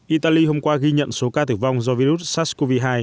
italy hôm qua ghi nhận số ca tử vong do virus sars cov hai